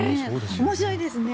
面白いですね。